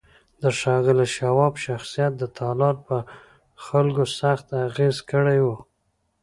د ښاغلي شواب شخصیت د تالار پر خلکو سخت اغېز کړی و